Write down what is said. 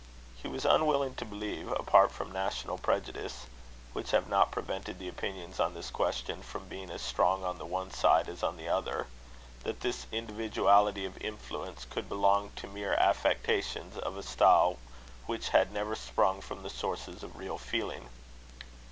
He was unwilling to believe, apart from national prejudices (which have not prevented the opinions on this question from being as strong on the one side as on the other), that this individuality of influence could belong to mere affectations of a style which had never sprung from the sources of real feeling.